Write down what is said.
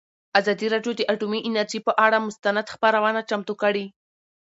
ازادي راډیو د اټومي انرژي پر اړه مستند خپرونه چمتو کړې.